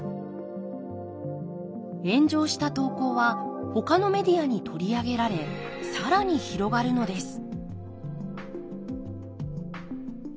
炎上した投稿はほかのメディアに取り上げられ更に広がるのです。